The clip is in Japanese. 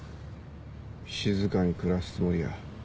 静かに暮らすつもりや。